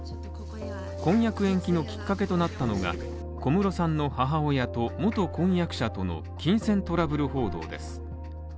婚約延期のきっかけとなったのが小室さんの母親と元婚約者との金銭トラブル報道です。